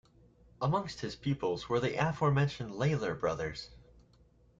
Amongst his pupils were the aforementioned Lalor brothers.